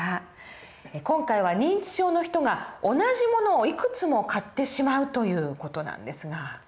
今回は認知症の人が同じ物をいくつも買ってしまうという事なんですが。